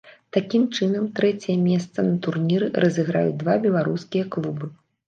Такім чынам, трэцяе месца на турніры разыграюць два беларускія клубы.